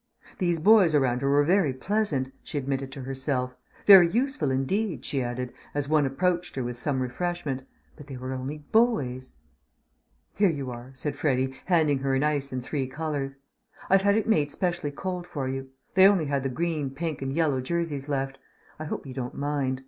These boys around her were very pleasant, she admitted to herself; very useful indeed, she added, as one approached her with some refreshment; but they were only boys. "Here you are," said Freddy, handing her an ice in three colours. "I've had it made specially cold for you. They only had the green, pink, and yellow jerseys left; I hope you don't mind.